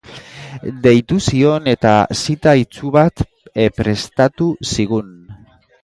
Deitu zion, eta zita itsu bat prestatu zigun.